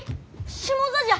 下座じゃ！